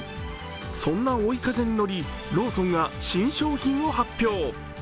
そんな追い風に乗り、ローソンが新商品を発表。